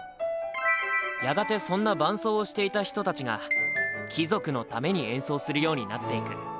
やがてそんな伴奏をしていた人たちが貴族のために演奏するようになっていく。